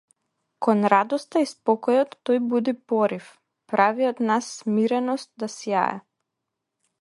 Кон радоста и спокојот тој буди порив, прави од нас смиреност да сјае.